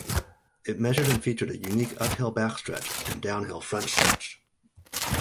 It measured and featured a unique uphill backstretch and downhill frontstretch.